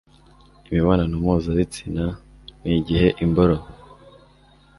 imibonano mpuzabitsina ni igihe imboro